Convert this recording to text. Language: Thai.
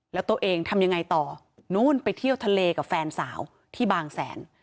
แล้วตัวเองทำยังไงต่อนู้นไปเที่ยวทะเลกับแฟนสาวที่บางแสน